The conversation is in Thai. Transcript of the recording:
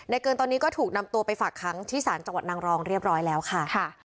เกินตอนนี้ก็ถูกนำตัวไปฝากค้างที่ศาลจังหวัดนางรองเรียบร้อยแล้วค่ะ